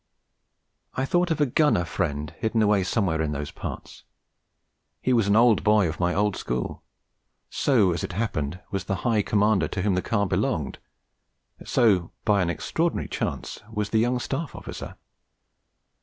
I thought of a Gunner friend hidden away somewhere in those parts. He was an Old Boy of my old school. So, as it happened, was the High Commander to whom the car belonged; so, by an extraordinary chance, was the young Staff Officer.